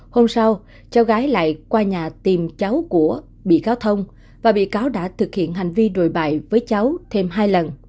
hôm sau cháu cháu gái lại qua nhà tìm cháu của bị cáo thông và bị cáo đã thực hiện hành vi đồi bại với cháu thêm hai lần